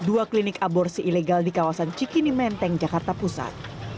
dua klinik aborsi ilegal di kawasan cikini menteng jakarta pusat